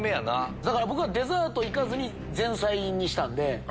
僕はデザート行かずに前菜にしたんで。